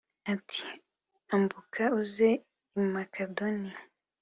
ati ambuka uze i makedoniya